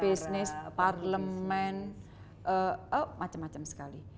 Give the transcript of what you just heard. bisnis parlement macam macam sekali